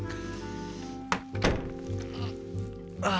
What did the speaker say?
ああ。